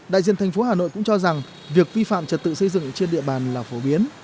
đại diện thành phố hà nội cũng cho rằng việc vi phạm trật tự xây dựng trên địa bàn là phổ biến